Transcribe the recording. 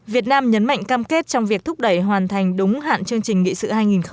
việt nam nhấn mạnh cam kết trong việc thúc đẩy hoàn thành đúng hạn chương trình nghị sự hai nghìn ba mươi